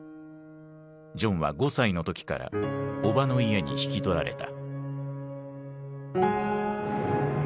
ジョンは５歳の時から叔母の家に引き取られた。